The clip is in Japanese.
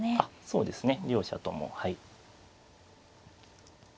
そうですね両者ともはい。